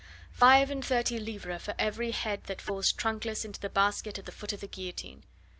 Five and thirty livres for every head that falls trunkless into the basket at the foot of the guillotine!